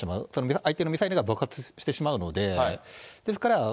相手のミサイルが爆発してしまうので、ですから、